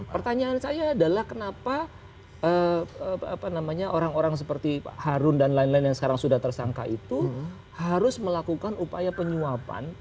pertanyaan saya adalah kenapa orang orang seperti harun dan lain lain yang sekarang sudah tersangka itu harus melakukan upaya penyuapan